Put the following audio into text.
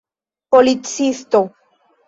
policisto